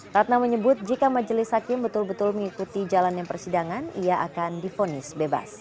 ratna menyebut jika majelis hakim betul betul mengikuti jalan yang persidangan ia akan di ponis bebas